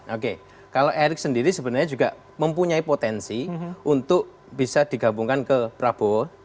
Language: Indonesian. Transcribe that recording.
oke kalau erik sendiri sebenarnya juga mempunyai potensi untuk bisa digabungkan ke prabowo